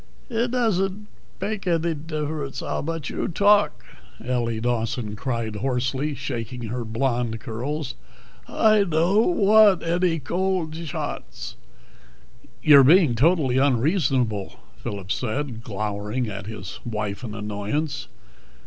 "It doesn't bake eddy differets how much you talk," Ellie Dawson cried hoarsely, shaking her blonde curls. "I dod't wadt eddy cold shots." "You're being totally unreasonable," Phillip said, glowering at his wife in annoyance.